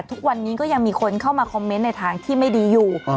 ทุกวันนี้ก็ยังมีคนเข้ามาคอมเมนต์ในทางที่ไม่ดีอยู่